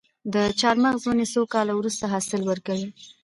د چهارمغز ونې څو کاله وروسته حاصل ورکوي؟